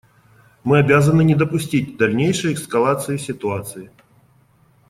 Мы обязаны не допустить дальнейшей эскалации ситуации.